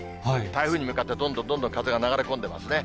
台風に向かって、どんどんどんどん風が流れ込んでますね。